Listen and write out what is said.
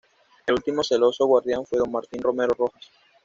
El último celoso guardián fue don Martín Romero Rojas.